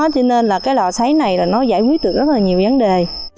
cho nên là cái lò xáy này là nó giải quyết được rất là nhiều vấn đề